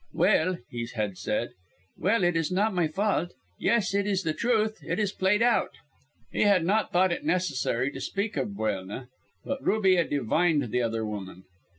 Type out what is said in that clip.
"Well," he had said, "well, it is not my fault. Yes, it is the truth. It is played out." He had not thought it necessary to speak of Buelna; but Rubia divined the other woman.